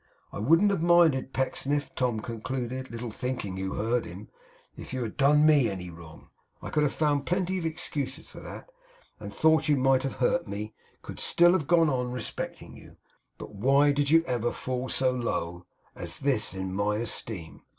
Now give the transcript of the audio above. I wouldn't have minded, Pecksniff,' Tom continued, little thinking who heard him, 'if you had done Me any wrong; I could have found plenty of excuses for that; and though you might have hurt me, could have still gone on respecting you. But why did you ever fall so low as this in my esteem!